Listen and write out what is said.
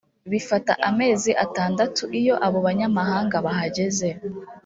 bifata amezi atandatu iyo abo banyamahanga bahageze